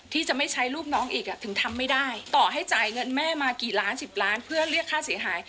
ต่อให้จ่ายเงินแม่มากี่ล้าน๑๐ล้านเพื่อเรียกค่าเสียหาย